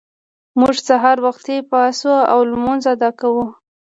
موږ سهار وختي پاڅو او لمونځ ادا کوو